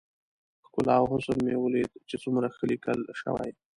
ښکلا او حسن مې وليد چې څومره ښه ليکل شوي.